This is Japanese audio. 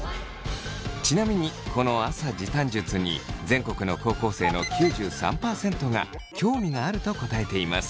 ちなみにこの朝時短術に全国の高校生の９３％が興味があると答えています。